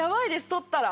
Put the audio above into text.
取ったら。